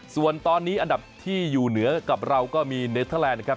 ส่วนตอนนี้อันดับที่อยู่เหนือกับเราก็มีเนเทอร์แลนด์นะครับ